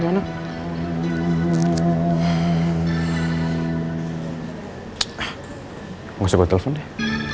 mau gak usah gue telepon deh